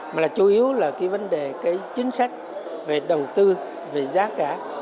mà là chủ yếu là vấn đề chính sách về đầu tư về giá cả